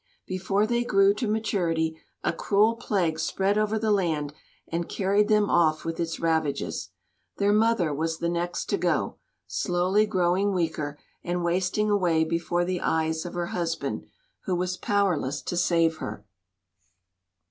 Before they grew to maturity a cruel plague spread over the land and carried them off with its ravages. Their mother was the next to go, slowly growing weaker, and wasting away before the eyes of her husband, who was powerless to save her.